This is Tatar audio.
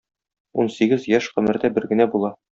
Унсигез яшь гомердә бер генә була.